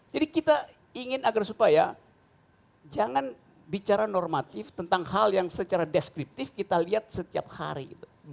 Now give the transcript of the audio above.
jadi kita ingin agar supaya jangan bicara normatif tentang hal yang secara deskriptif kita lihat setiap hari